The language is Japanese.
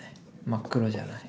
真っ黒じゃない。